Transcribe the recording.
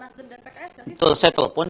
sudah ada komunikasi sama nasdem dan pks